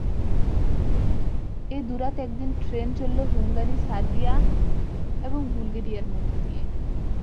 এ দু-রাত একদিন ট্রেন চলল হুঙ্গারি, সর্বিয়া এবং বুলগেরিয়ার মধ্য দিয়ে।